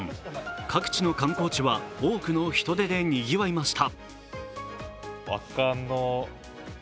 各地の観光地は多くの人出でにぎわいました。